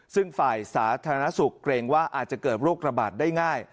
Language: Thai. ซึ่งฝ่ายสาธารณสุขเกรงว่าอาจจะเกิดโรคระบาดได้ง่าย